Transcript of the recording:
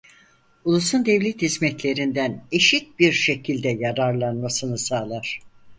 Ulusun devlet hizmetlerinden eşit bir şekilde yararlanmasını sağlar.